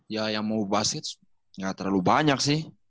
ya yang mau basket ga terlalu banyak sih